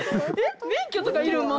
⁉免許とかいるん？